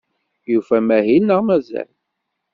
Yufa amahil neɣ mazal?